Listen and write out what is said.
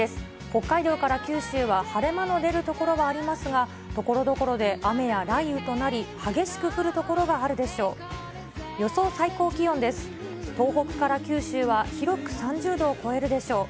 北海道から九州は晴れ間の出る所がありますが、ところどころで雨や雷雨となり、激しく降る所があるでしょう。